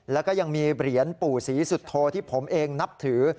แล้วก็ยังมีเหรียญปู่ศรีสุโธที่ผมเองนับถือ